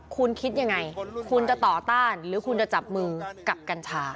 คุณคิดยังไงคุณจะต่อต้านหรือคุณจะจับมือกับกัญชา